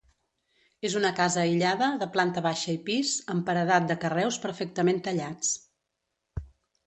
És una casa aïllada, de planta baixa i pis, amb paredat de carreus perfectament tallats.